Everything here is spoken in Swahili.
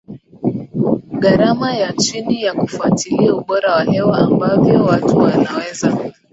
gharama ya chini vya kufuatilia ubora wa hewa ambavyo watu wanaweza